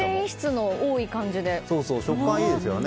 食感いいですよね。